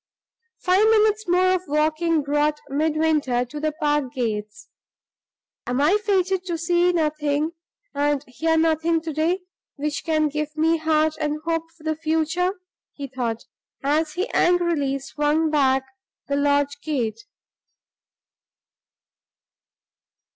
Five minutes more of walking brought Midwinter to the park gates. "Am I fated to see nothing and hear nothing to day, which can give me heart and hope for the future?" he thought, as he angrily swung back the lodge gate.